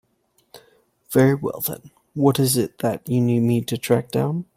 Very well then, what is it that you need me to track down?